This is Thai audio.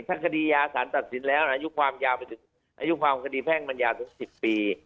ถ้าคดีอายาสารตัดสินแล้วอายุความคดีแพ่งมันยาถึง๑๐ปี